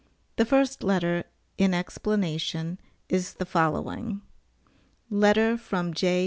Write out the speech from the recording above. The first letter, in explanation, is the following: LETTER FROM J.